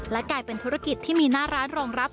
และกลายเป็นธุรกิจที่มีหน้าร้านรองรับ